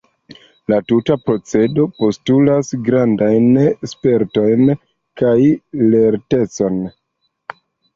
La tuta procedo postulas grandajn spertojn kaj lertecon.